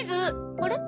あれ？